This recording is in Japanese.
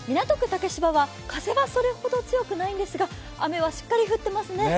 竹芝は風がそれほど強くないんですが雨はしっかり降ってますね。